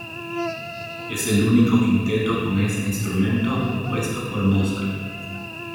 Es el único quinteto con este instrumento compuesto por Mozart.